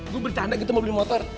gue bercanda gitu mau beli motor